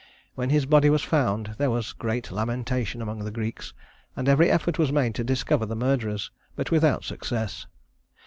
When his body was found, there was great lamentation among the Greeks, and every effort was made to discover the murderers, but without success.